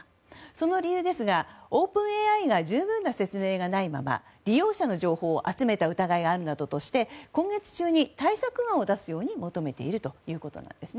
その理由ですが、オープンＡＩが十分な説明がないまま利用者の情報を集めた疑いがあるなどとして今月中に対策案を出すように求めているということです。